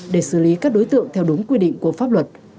để xử lý các đối tượng theo đúng quy định của pháp luật